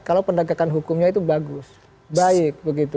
kalau penegakan hukumnya itu bagus baik begitu